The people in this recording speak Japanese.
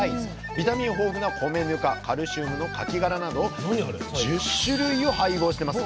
ビタミン豊富な米ぬかカルシウムのカキ殻など１０種類を配合してます。